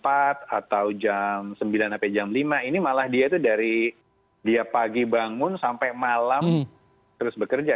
atau jam sembilan sampai jam lima ini malah dia itu dari dia pagi bangun sampai malam terus bekerja